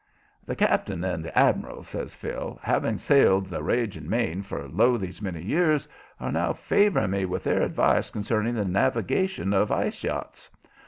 "The Cap'n and the Admiral," says Phil, "having sailed the raging main for lo! these many years, are now favoring me with their advice concerning the navigation of ice yachts.